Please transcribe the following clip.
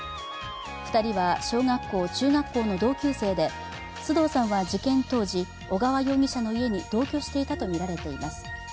２人は小学校・中学校の同級生で須藤さんは事件当時、小川容疑者の家に同居していたとみられています。